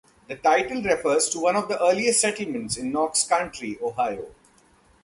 The title refers to one of the earliest settlements in Knox County, Ohio.